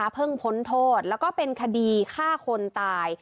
เพิ่งฝนโทษและเป็นคดีฆ่าคนตาย